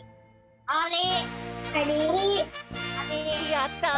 やった！